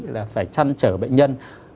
là phải chăn trở bệnh nhân